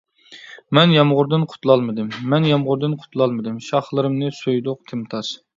مەن يامغۇردىن قۇتۇلالمىدىم مەن يامغۇردىن قۇتۇلالمىدىم شاخلىرىمنى سۆيىدۇ تىمتاس.